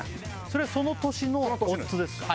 それはその年のオッズですか？